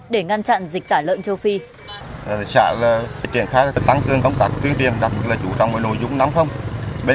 để ngăn chặn dịch tả lợn châu phi